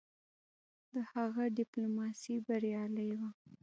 د هغه ډيپلوماسي بریالی وه.